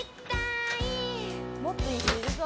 「もっといい人いるぞ」